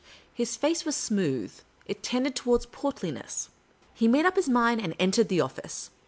His face was l^j^ smooth ; it tended towards portliness. He made up his mind, and entered the office.